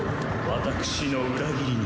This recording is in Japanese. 私の裏切りに。